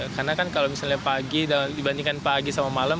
karena kan kalau misalnya pagi dibandingkan pagi sama malam